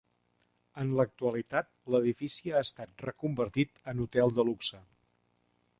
En l'actualitat, l'edifici ha estat reconvertit en hotel de luxe.